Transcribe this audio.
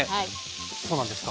そうなんですか？